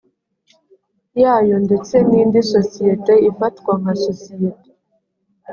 yayo ndetse n indi sosiyete ifatwa nka sosiyete